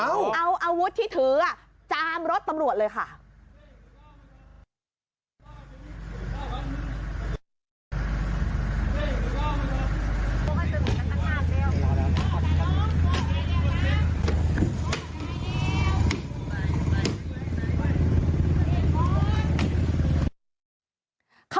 เอาอาวุธที่ถือจามรถตำรวจเลยค่ะ